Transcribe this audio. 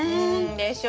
でしょ？